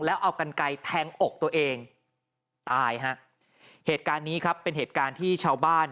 แล้วเอากันไกลแทงอกตัวเองตายฮะเหตุการณ์นี้ครับเป็นเหตุการณ์ที่ชาวบ้าน